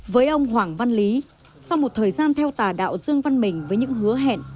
với ông hoàng văn lý sau một thời gian theo tà đạo dương văn mình với những hứa hẹn